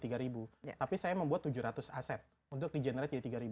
tapi saya membuat tujuh ratus aset untuk di generate jadi tiga